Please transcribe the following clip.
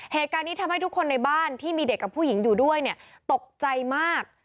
เหตุการณ์นี้ทำให้ทุกคนในบ้านที่มีเด็กกับผู้หญิงอยู่ด้วยเนี่ยตกใจมาก